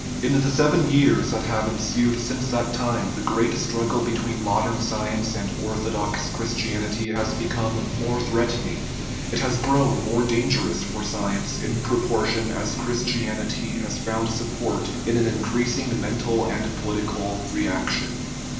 In the seven years that have ensued since that time the great struggle between modern science and orthodox Christianity has become more threatening; it has grown more dangerous for science in propor tion as Christianity has found support in an increasing mental and political reaction.